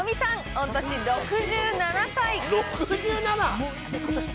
御年６７歳。